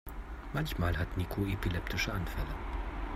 Manchmal hat Niko epileptische Anfälle.